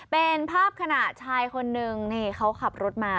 เป็นภาพขณะชายคนนึงนี่เขาขับรถมา